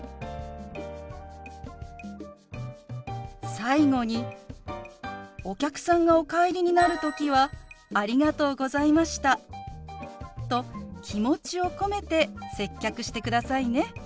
最後にお客さんがお帰りになる時は「ありがとうございました」と気持ちを込めて接客してくださいね。